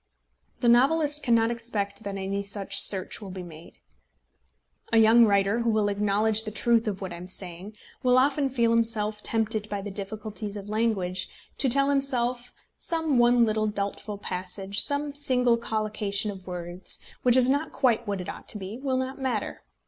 The novelist cannot expect that any such search will be made. A young writer, who will acknowledge the truth of what I am saying, will often feel himself tempted by the difficulties of language to tell himself that some one little doubtful passage, some single collocation of words, which is not quite what it ought to be, will not matter.